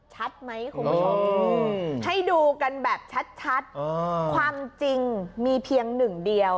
ชัดไหมคุณผู้ชมให้ดูกันแบบชัดความจริงมีเพียงหนึ่งเดียว